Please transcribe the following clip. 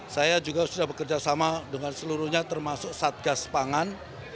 saya juga sudah bekerja sama dengan seluruhnya termasuk satgas pangan